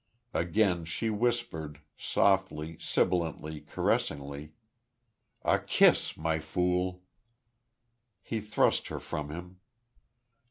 Again she whispered; softly, sibilantly, caressingly: "A kiss, My Fool!" He thrust her from him.